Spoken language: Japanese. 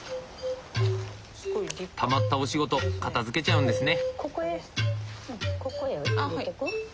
たまったお仕事片づけちゃうんですね。